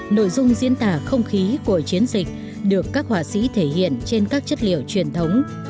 nội dung diễn tả không khí của chiến dịch được các họa sĩ thể hiện trên các chất liệu truyền thống